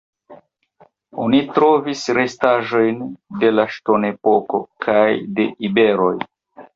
Oni trovis restaĵojn de la Ŝtonepoko kaj de iberoj.